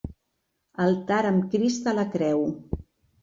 Altar amb Crist a la Creu.